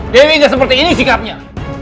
dewi gak seperti ini sikapnya